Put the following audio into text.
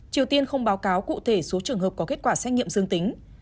triều tiên không báo cáo cụ thể số trường hợp có kết quả xét nghiệm dương tính